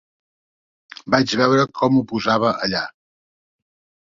Vaig veure com ho posava allà.